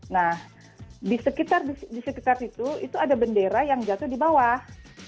nah di sekitar itu itu ada bendera yang jatuh di bawah